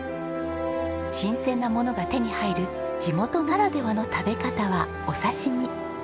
新鮮なものが手に入る地元ならではの食べ方はお刺し身。